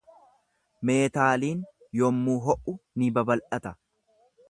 Meetaaliin yommuu ho’u ni babal’ata.